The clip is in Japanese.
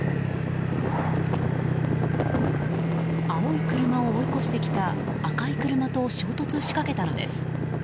青い車を追い越してきた赤い車と衝突しかけたのです。